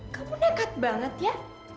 kamu dekat banget ya